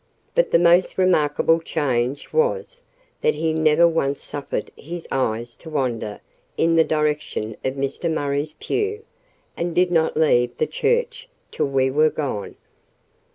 But the most remarkable change was, that he never once suffered his eyes to wander in the direction of Mr. Murray's pew, and did not leave the church till we were gone.